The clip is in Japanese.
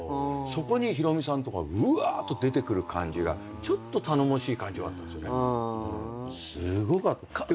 そこにひろみさんとかうわっと出てくる感じがちょっと頼もしい感じはあったんですよね。